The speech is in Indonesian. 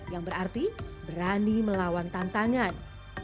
yang berarti berani melawan tantangan